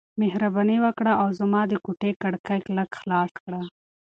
مهرباني وکړه او زما د کوټې کړکۍ لږ خلاص کړه.